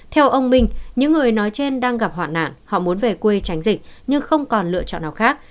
theo ông minh những người nói trên đang gặp hoạn nạn họ muốn về quê tránh dịch nhưng không còn lựa chọn nào khác